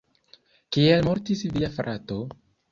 Kiel mortis via frato?